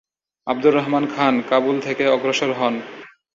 আবদুর রহমান খান কাবুল থেকে অগ্রসর হন।